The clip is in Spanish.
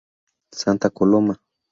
Santa Coloma.